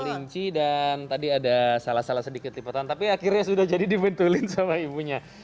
kelinci dan tadi ada salah salah sedikit liputan tapi akhirnya sudah jadi dibentulin sama ibunya